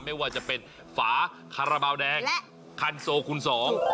ไม่ว่าจะเป็นฝาคาระเบาแดกและคันโซคุณสอง